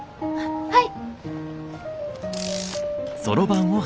はい。